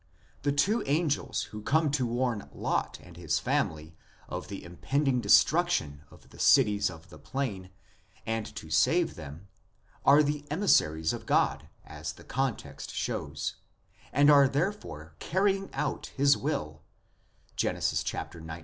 The two angels who come to warn Lot and his family of the impending destruction of the cities of the plain, and to save them, are the emissaries of God, as the context shows, and are therefore carrying out His will (Gen. xix.